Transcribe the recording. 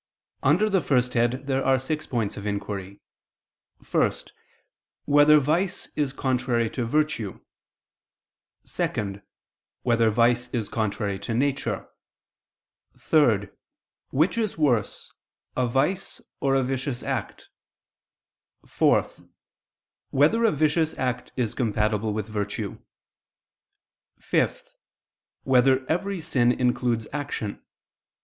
Under the first head there are six points of inquiry: (1) Whether vice is contrary to virtue? (2) Whether vice is contrary to nature? (3) Which is worse, a vice or a vicious act? (4) Whether a vicious act is compatible with virtue? (5) Whether every sin includes action?